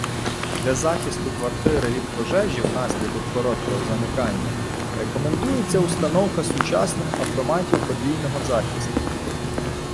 Для захисту квартири від пожежі внаслідок короткого замикання рекомендується установка сучасних автоматів подвійного захисту